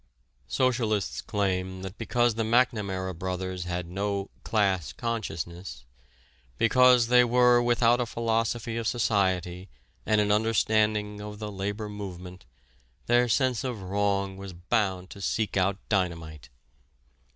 Socialists claim that because the McNamara brothers had no "class consciousness," because they were without a philosophy of society and an understanding of the labor movement their sense of wrong was bound to seek out dynamite.